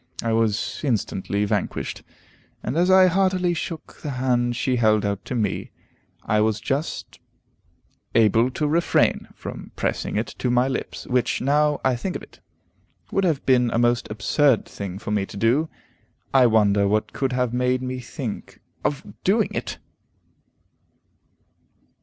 I was instantly vanquished, and as I heartily shook the hand she held out to me, I was just able to refrain from pressing it to my lips, which, now I think of it, would have been a most absurd thing for me to do. I wonder what could have made me think of doing it!